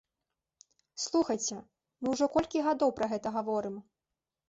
Слухайце, мы ўжо колькі гадоў пра гэта гаворым?